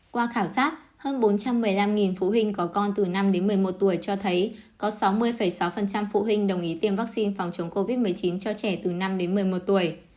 qua khảo sát hơn bốn trăm một mươi năm phụ huynh có con từ năm đến một mươi một tuổi cho thấy có sáu mươi sáu phụ huynh đồng ý tiêm vaccine phòng chống covid một mươi chín cho trẻ từ năm đến một mươi một tuổi